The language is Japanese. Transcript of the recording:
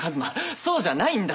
そうじゃないんだって！